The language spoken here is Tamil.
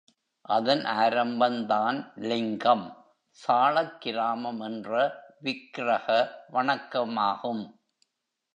அதன் ஆரம்பந்தான் லிங்கம், சாளக்கிராமம் என்ற விக்ரக வணக்கமாகும்.